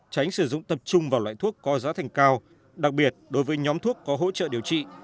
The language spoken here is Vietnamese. tránh sử dụng tập trung vào loại thuốc có giá thành cao đặc biệt đối với nhóm thuốc có hỗ trợ điều trị